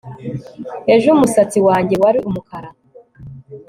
Ejo umusatsi wanjye wari umukara